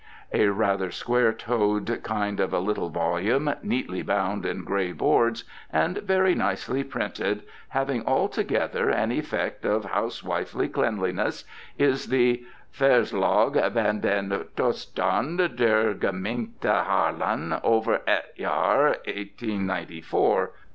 A rather square toed kind of a little volume, neatly bound in grey boards, and very nicely printed, having altogether an effect of housewifely cleanliness, is the "Verslag van den Toestand der Gemeente Haarlem over het jaar 1894.